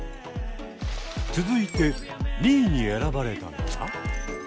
続いて２位に選ばれたのは？